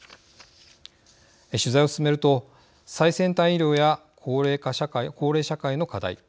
取材を進めると最先端医療や高齢社会の課題